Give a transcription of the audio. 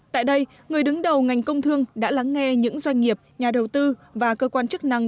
tại đây người đứng đầu ngành công thương đã lắng nghe những doanh nghiệp nhà đầu tư và cơ quan chức năng